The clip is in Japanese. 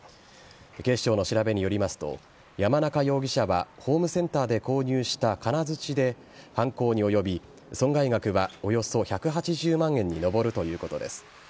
警視庁の調べによりますと山中容疑者はホームセンターで購入した金づちで犯行に及び損害額はおよそ１８０万円に上るということです。